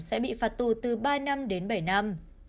sẽ bị phạt tù từ ba năm đến bảy năm